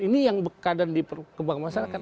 ini yang kadang dikembangkan masyarakat